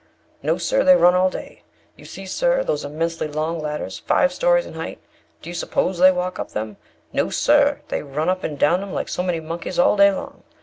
No, sir, they run all day. You see, sir, those immensely long, ladders, five stories in height; do you suppose they walk up them? No, sir, they run up and down them like so many monkeys all day long.